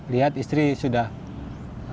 lihat istri sudah tiduran di lantai